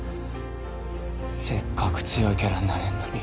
せっかく強いキャラになれるのに